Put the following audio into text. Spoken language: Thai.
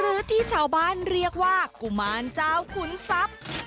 หรือที่ชาวบ้านเรียกว่ากุมารเจ้าขุนทรัพย์